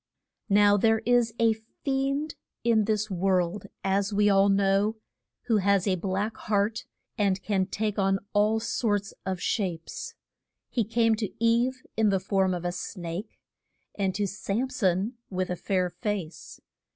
Now there is a fiend in this world, as we all know, who has a black heart, and can take on all sorts of shapes. He came to Eve in the form of a snake, and to Sam son with a fair face.